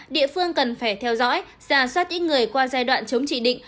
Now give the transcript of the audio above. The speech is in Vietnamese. địa phương cần phải theo dõi giả soát ít người qua giai đoạn chống chỉ định